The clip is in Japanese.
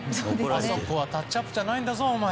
あそこはタッチアップじゃないんだぞ。